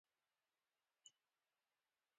پکورې د کور بوی لري